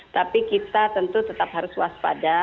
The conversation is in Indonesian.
tapi kita tentu tetap harus waspada